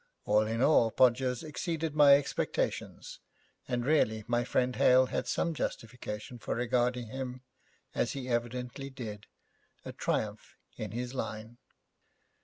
All in all, Podgers exceeded my expectations, and really my friend Hale had some justification for regarding him, as he evidently did, a triumph in his line.